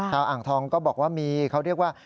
อ่างทองก็บอกว่ามีเขาเรียกว่า